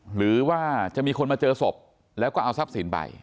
หรือว่าจะมีคนมาเจอศพแล้วก็เอาทรัพย์สินไป